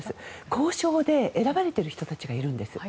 交渉で選ばれている人たちがいるんです。